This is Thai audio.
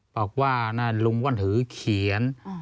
บอกว่าลุงว่านหือเขียน